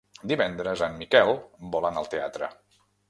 Divendres en Miquel vol anar al teatre.